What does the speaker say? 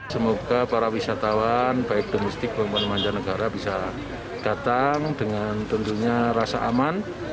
semoga para wisatawan baik domestik maupun mancanegara bisa datang dengan tentunya rasa aman